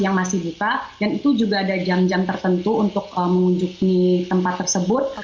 yang masih buka dan itu juga ada jam jam tertentu untuk mengunjungi tempat tersebut